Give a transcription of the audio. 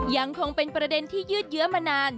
ยังคงเป็นประเด็นที่ยืดเยื้อมานาน